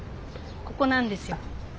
ここなんですよ。